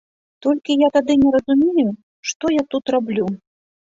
Толькі я тады не разумею, што я тут раблю.